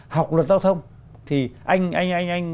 học luật giao thông thì anh